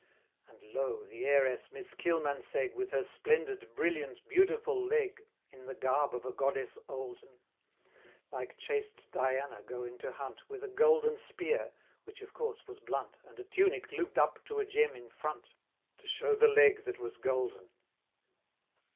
And lo! the Heiress, Miss Kilmansegg, With her splendid, brilliant, beautiful leg, In the garb of a Goddess olden Like chaste Diana going to hunt, With a golden spear which of course was blunt, And a tunic loop'd up to a gem in front, To show the Leg that was Golden!